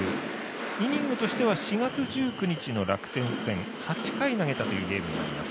イニングとしては、４月１９日の楽天戦、８回投げたというゲームがあります。